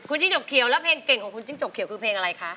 คุณจิ้งจกเขียวแล้วเพลงเก่งของคุณจิ้งจกเขียวคือเพลงอะไรคะ